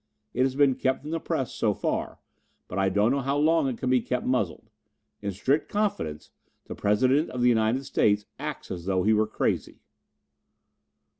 It has been kept from the press so far; but I don't know how long it can be kept muzzled. In strict confidence, the President of the United State acts as though he were crazy."